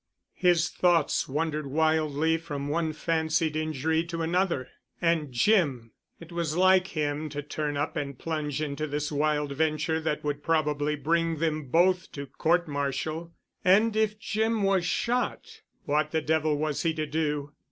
His thoughts wandered wildly from one fancied injury to another. And Jim—it was like him to turn up and plunge into this wild venture that would probably bring them both to court martial. And if Jim was shot, what the devil was he to do?